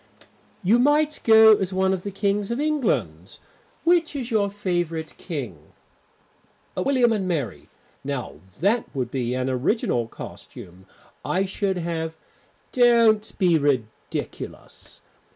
"You might go as one of the Kings of England. Which is your favourite King?" "William and Mary. Now that would be an original costume. I should have " "Don't be ridiculous.